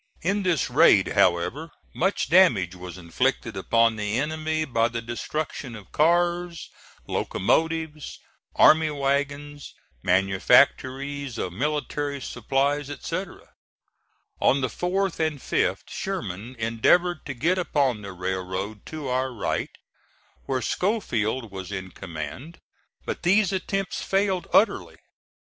In this raid, however, much damage was inflicted upon the enemy by the destruction of cars, locomotives, army wagons, manufactories of military supplies, etc. On the 4th and 5th Sherman endeavored to get upon the railroad to our right, where Schofield was in command, but these attempts failed utterly.